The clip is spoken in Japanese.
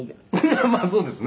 「まあそうですね」